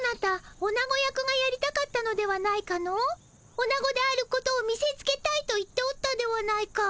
オナゴであることを見せつけたいと言っておったではないか。